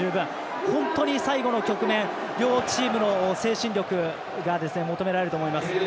本当に最後の局面両チームの精神力が求められると思います。